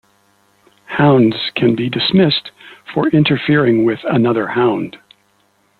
Hounds can be dismissed for interfering with another hound.